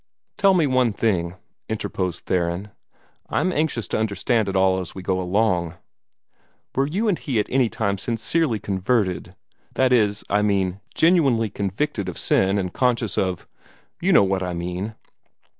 "Tell me one thing," interposed Theron. "I'm anxious to understand it all as we go along. Were you and he at any time sincerely converted? that is, I mean, genuinely convicted of sin and conscious of you know what I mean!"